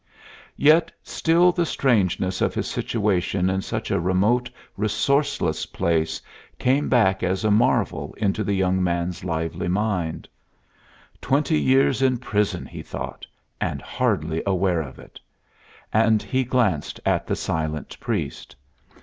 Yet still the strangeness of his situation in such a remote, resourceless place came back as a marvel into the young man's lively mind. Twenty years in prison, he thought, and hardly aware of it! And he glanced at the silent priest.